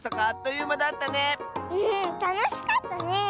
うんたのしかったね！